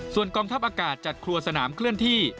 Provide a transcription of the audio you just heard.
ส่วนกองทัพอากาศจัดครัวสนามเคลื่อนที่